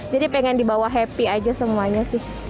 jadi ingin di bawah happy saja semuanya